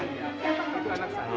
rijana gansi gandar ini